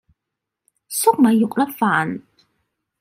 粟米肉粒飯